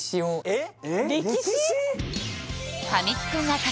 えっ